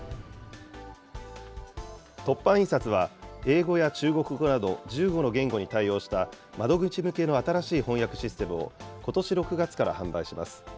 凸版印刷は、英語や中国語など、１５の言語に対応した、窓口向けの新しい翻訳システムを、ことし６月から販売します。